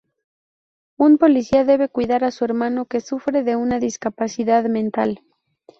Un policía debe cuidar a su hermano, que sufre de una discapacidad mental.